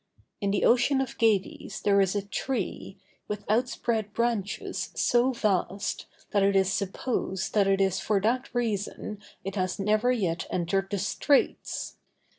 In the ocean of Gades there is a tree, with outspread branches so vast, that it is supposed that it is for that reason it has never yet entered the Straits.